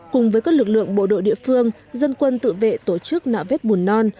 cùng với các lực lượng bộ đội địa phương dân quân tự vệ tổ chức nạo vét bùn non